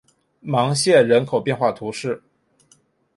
芒谢人口变化图示